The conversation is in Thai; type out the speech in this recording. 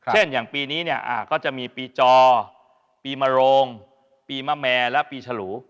อย่างปีนี้เนี่ยก็จะมีปีจอปีมโรงปีมะแม่และปีฉลู